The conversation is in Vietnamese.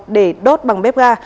để đốt bằng bếp phụ